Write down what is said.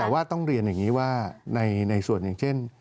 แต่ว่าต้องเรียนอย่างนี้ว่าในส่วนอย่างเช่น